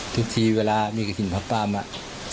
ทุกทีเวลามีเกษียณพระป้ามา